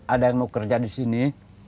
ada yang mau kerja disini